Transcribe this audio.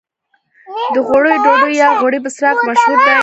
د غوړیو ډوډۍ یا غوړي بسراق مشهور دي.